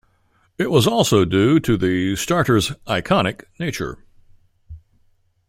It was also due to the starters' "iconic" nature.